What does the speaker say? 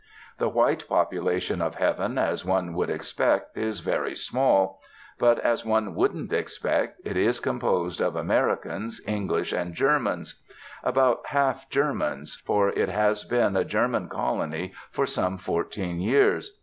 The white population of Heaven, as one would expect, is very small; but, as one wouldn't expect, it is composed of Americans, English, and Germans. About half Germans, for it has been a German colony for some fourteen years.